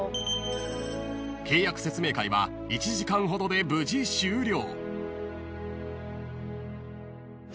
［契約説明会は１時間ほどで無事終了］